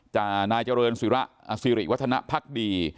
นายเจริญสิริวัฒนภักดี